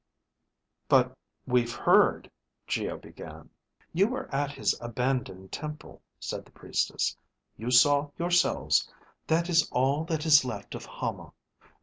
"But we've heard " Geo began. "You were at his abandoned temple," said the Priestess. "You saw yourselves. That is all that is left of Hama.